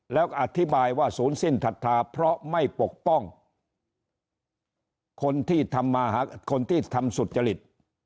แล้วอธิบายว่าศูนย์สิ้นศรัทธาเพราะไม่ปกป้องคนที่ทำสุจริต